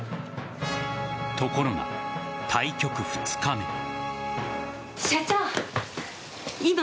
ところが対局２日目。